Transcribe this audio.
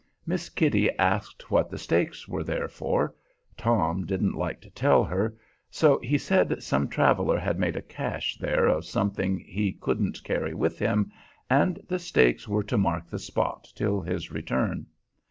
Miss Kitty asked what the stakes were there for. Tom didn't like to tell her, so he said some traveler had made a "cache" there of something he couldn't carry with him, and the stakes were to mark the spot till his return.